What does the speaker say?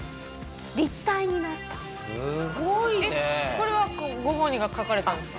これはご本人が描かれたんですか？